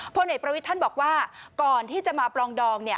พลเอกประวิทย์ท่านบอกว่าก่อนที่จะมาปลองดอง